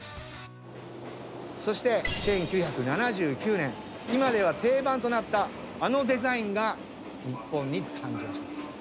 そして１９７９年今では定番となったあのデザインが日本に誕生します。